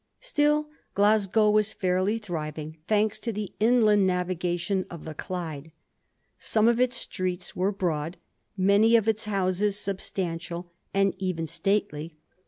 Still, Glasgow was fairly thriving, thanks to the inland navigation of the Clyde. Some of its streets were broad ; many of its houses substantial, and even stately.